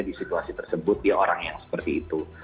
di situasi tersebut dia orang yang seperti itu